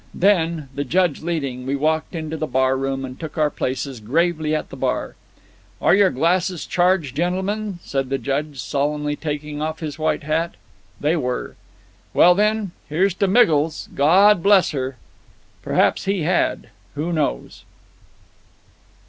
Then, the Judge leading, we walked into the barroom and took our places gravely at the bar. "Are your glasses charged, gentlemen?" said the Judge, solemnly taking off his white hat. They were. "Well, then, here's to MIGGLES. GOD BLESS HER!" Perhaps He had. Who knows?